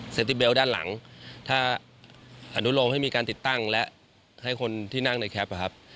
ติเบลด้านหลังถ้าอนุโลมให้มีการติดตั้งและให้คนที่นั่งในแคปอะครับ